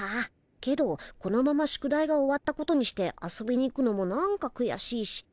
けどこのまま宿題が終わったことにして遊びに行くのもなんかくやしいし。